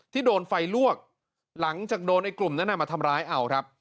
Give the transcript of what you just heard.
ที่โดนไฟลวกหลังจากโดนไอ้กลุ่มนั้นมาทำร้ายเอาครับ